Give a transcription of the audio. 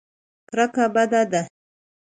کرکه بده ده.